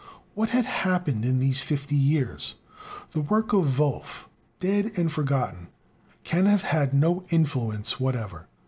What had happened in these fifty years? The work of Wolff, dead and forgotten, can have had no influence whatever.